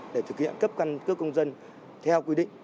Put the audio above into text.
để thực hiện cấp căn cước công dân theo quy định